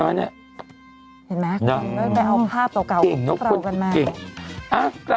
เห็นไหมดำ